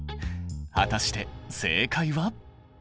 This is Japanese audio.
果たして正解は？